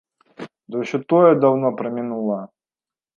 Да ўсё тое даўно прамінула.